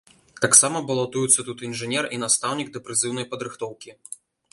Таксама балатуюцца тут інжынер і настаўнік дапрызыўнай падрыхтоўкі.